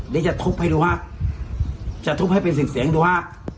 เดี๋ยวจะทุบให้ดูฮะจะทุบให้เป็นเสียงดูฮะ